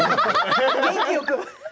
元気よく。